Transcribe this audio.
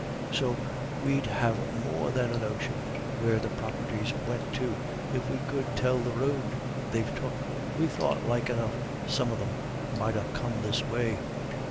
So we'd have more than a notion where the property's went to if we could tell the road they've took. We thought like enough some of them might ha' come this way."